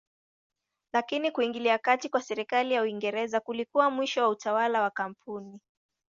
Lakini kuingilia kati kwa serikali ya Uingereza kulikuwa mwisho wa utawala wa kampuni.